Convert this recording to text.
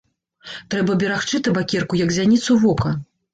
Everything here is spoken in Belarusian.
Трэба берагчы табакерку як зяніцу вока.